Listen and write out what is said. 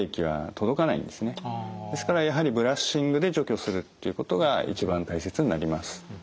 ですからやはりブラッシングで除去するということが一番大切になります。